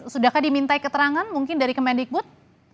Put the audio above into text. sudahkah dimintai keterangan mungkin dari kemendikbud